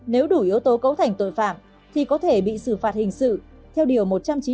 nếu đủ yếu tố cấu thành tội phạm thì có thể bị xử phạt hình sự theo điều một trăm chín mươi